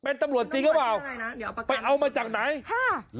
เป็นตำรวจจริงหรือเปล่าไปเอามาจากไหนค่ะ